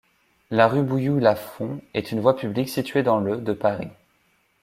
La rue Bouilloux-Lafont est une voie publique située dans le de Paris.